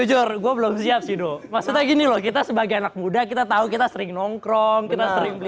jujur gue belum siap sih do maksudnya gini loh kita sebagai anak muda kita tahu kita sering nongkrong kita sering beli